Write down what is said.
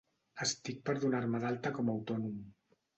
Estic per donar-me d'alta com a autònom.